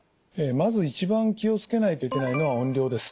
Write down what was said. まず一番気を付けないといけないのは音量です。